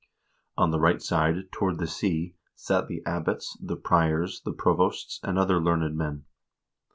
On the right side, toward the sea, sat the abbots, the priors, the provosts, and other learned men.